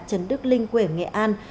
trần đức linh quê ở nghệ an